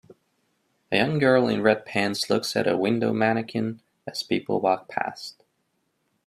A young girl in red pants looks at a window mannequin as people walk past